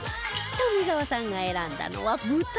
富澤さんが選んだのは豚丼